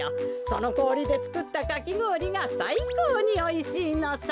そのこおりでつくったかきごおりがさいこうにおいしいのさ。